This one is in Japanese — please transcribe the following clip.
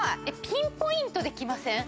ピンポイントで来ません？